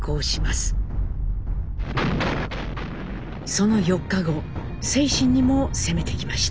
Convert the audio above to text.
その４日後清津にも攻めてきました。